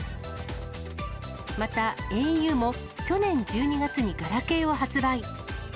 また、ａｕも去年１２月にガラケーを発売。